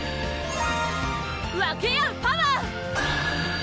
分け合うパワー！